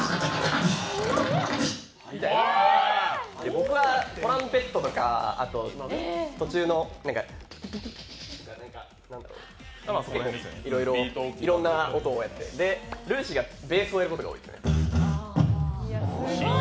僕がトランペットとか途中のいろんな音をやっててＲＵＳＹがベースをやることが多いですね。